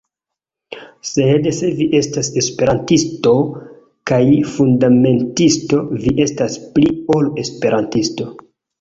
Sed se vi estas Esperantisto kaj fundamentisto, vi estas pli ol Esperantisto.